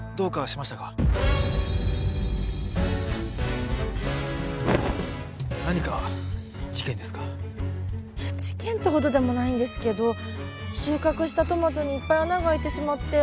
いや事件ってほどでもないんですけど収穫したトマトにいっぱい穴があいてしまって。